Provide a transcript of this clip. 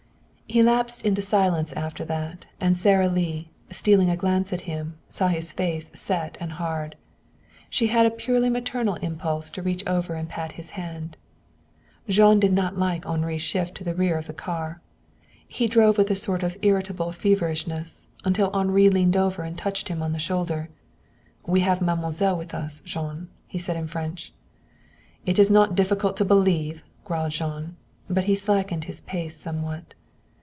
He lapsed into silence after that, and Sara Lee, stealing a glance at him, saw his face set and hard. She had a purely maternal impulse to reach over and pat his hand. Jean did not like Henri's shift to the rear of the car. He drove with a sort of irritable feverishness, until Henri leaned over and touched him on the shoulder. "We have mademoiselle with us, Jean," he said in French. "It is not difficult to believe," growled Jean. But he slackened his pace somewhat.